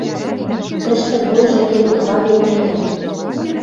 Тӹштӹ бойжы кен утла вет нелӹ